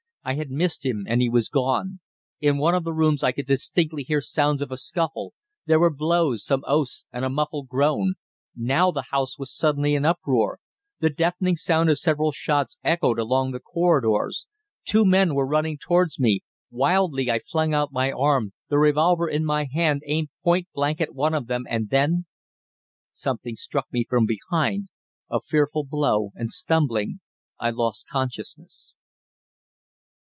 I had missed him and he was gone. In one of the rooms I could distinctly hear sounds of a scuffle. There were blows, some oaths and a muffled groan. Now the house was suddenly in uproar. The deafening sound of several shots echoed along the corridors. Two men were running towards me. Wildly I flung out my arm, the revolver in my hand aimed point blank at one of them, and then Something struck me from behind, a fearful blow, and, stumbling, I lost consciousness.